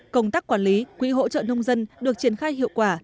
công tác quản lý quỹ hỗ trợ nông dân được triển khai hiệu quả